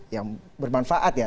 yang bermanfaat ya